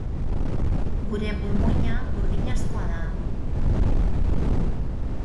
Gure burmuina burdinazkoa da.